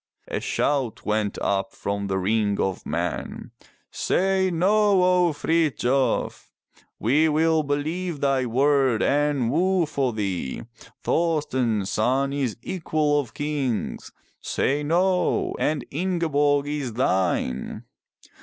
A shout went up from the ring of men. "Say no, O Frithjof! We will believe thy word and woo for thee. Thorsten's son is the equal of Kings. Say no! and Ingeborg is thine."